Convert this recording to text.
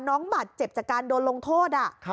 น้องบาดเจ็บจากการโดนลงโทษ